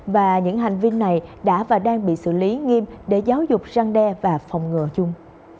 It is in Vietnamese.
và những hành vi này đã và đang bị xử lý nghiêm để giáo dục răng đe và phòng ngừa chung